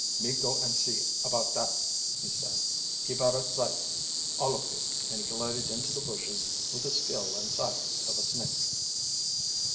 "Me go an' see about dat," he said. "Keep out ob sight, all ob you!" And he glided into the bushes with the skill and silence of a snake.